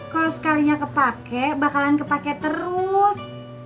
kalau sekalinya kepake bakalan kepake terus